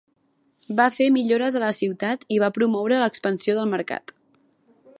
Va fer millores a la ciutat i va promoure l'expansió del mercat.